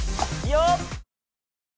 よっ！